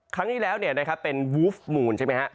ครั้งที่แล้วเป็นวูฟมูลใช่ไหมฮะ